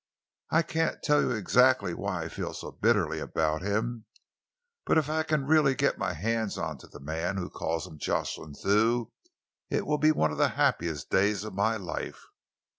I can't tell you exactly why I feel so bitterly about him, but if I can really get my hands on to the man who calls himself Jocelyn Thew, it will be one of the happiest days of my life."